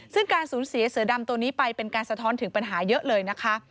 ซึ่งการสูญเสียเสือดำตัวนี้ไปเป็นการสะท้อนถึงปัญหาเยอะเลยนะคะ